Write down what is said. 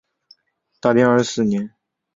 大定二十四年。